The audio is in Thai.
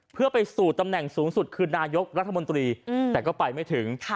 เพื่อไปสู่ตำแหน่งสูงสุดคือนายกรัฐมนตรีแต่ก็ไปไม่ถึง